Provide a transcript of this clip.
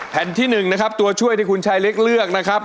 แผ่นที่๑นะครับตัวช่วยที่คุณชายเล็กเลือกนะครับ